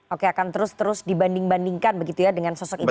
oke akan terus terus dibanding bandingkan begitu ya dengan sosok ibu